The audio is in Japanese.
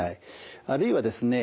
あるいはですね